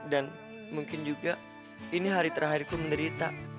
dan mungkin juga ini hari terakhirku menderita